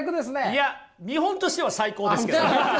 いや見本としては最高ですけどね！